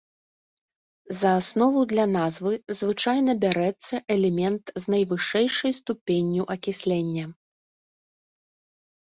За аснову для назвы звычайна бярэцца элемент з найвышэйшай ступенню акіслення.